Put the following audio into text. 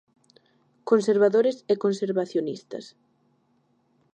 Conservadores e conservacionistas.